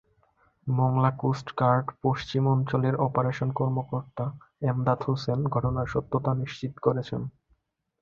Mongla coast guard পশ্চিম অঞ্চলের operation কর্মকর্তা এমদাদ হোসেন ঘটনার সত্যতা নিশ্চিত করেছেন।